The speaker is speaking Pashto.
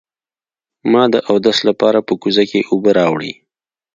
ما د اودس لپاره په کوزه کې اوبه راوړې.